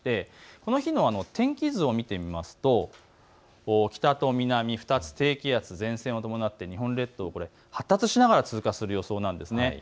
この日の天気図を見てみますと北と南２つ低気圧の前線を伴って日本列島を発達しながら通過する予想です。